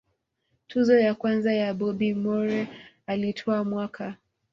tuzo ya kwanza ya Bobby Moore alitwaa mwaka